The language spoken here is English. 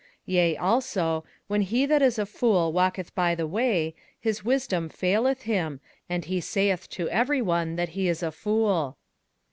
21:010:003 Yea also, when he that is a fool walketh by the way, his wisdom faileth him, and he saith to every one that he is a fool.